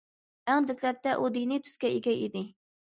ئەڭ دەسلەپتە ئۇ دىنىي تۈسكە ئىگە ئىدى.